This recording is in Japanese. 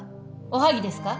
おはぎですか？